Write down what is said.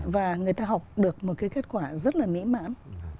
và người ta học được một cái kết quả rất là mỹ mãn